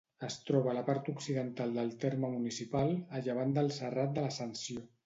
Es troba a la part occidental del terme municipal, a llevant del serrat de l'Ascensió.